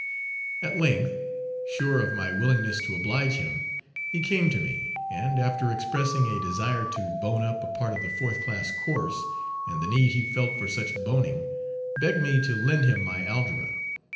At length, sure of my willingness to oblige him, he came to me, and, after expressing a desire to "bone up" a part of the fourth class course, and the need he felt for such "boning," begged me to lend him my algebra.